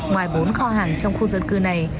ngoài bốn kho hàng trong khu dân cư này